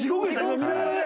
見ながらね。